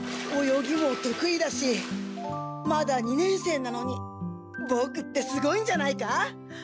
泳ぎもとくいだしまだ二年生なのにボクってすごいんじゃないか？